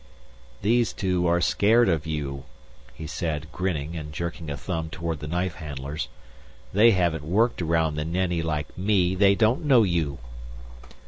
"These two are scared of you," he said, grinning and jerking a thumb toward the knife handlers. "They haven't worked around the Nenni like me; they don't know you."